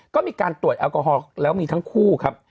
ก็มีการตรวจแอลกอฮอล์แล้วมีทั้งคู่ครับ